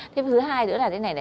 thế thứ hai nữa là thế này